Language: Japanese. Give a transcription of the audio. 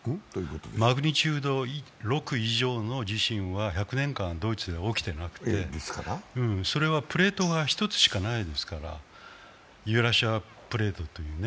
マグニチュード６以上の地震は１００年間ドイツでは起きていなくてそれはプレートが１つしかないですから、ユーラシアプレートというね。